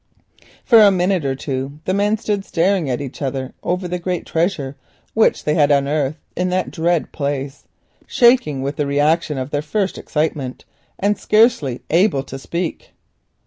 For a minute or two the men stood staring at each other over the great treasure which they had unearthed in that dread place, shaking with the reaction of their first excitement, and scarcely able to speak.